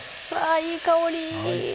いい香り！